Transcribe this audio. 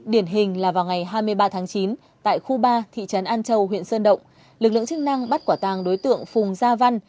điển hình là vào ngày hai mươi ba tháng chín tại khu ba thị trấn an châu huyện sơn động lực lượng chức năng bắt quả tàng đối tượng phùng gia văn